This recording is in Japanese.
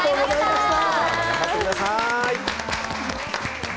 頑張ってください。